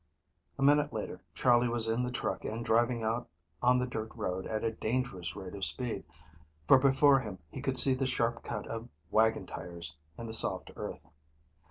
A minute later Charley was in the truck and driving out on the dirt road at a dangerous rate of speed, for before him he could see the sharp cut of wagon tires in the soft earth.